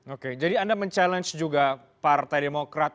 oke jadi anda mencabar juga partai demokrat